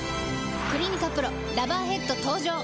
「クリニカＰＲＯラバーヘッド」登場！